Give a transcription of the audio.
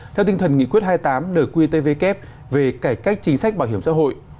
theo tinh thần nghị quyết hai mươi tám nqtvk về cải cách chính sách bảo hiểm xã hội